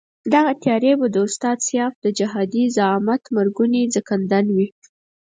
دغه تیاري به د استاد سیاف د جهادي زعامت مرګوني ځنکندن وي.